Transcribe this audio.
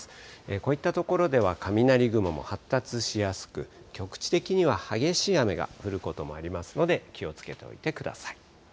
こういった所では、雷雲も発達しやすく、局地的には激しい雨が降ることもありますので、気をつけておいてください。